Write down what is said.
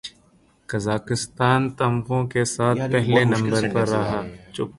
Kazakhstan تمغوں کے ساتھ پہلے نمبر پر رہا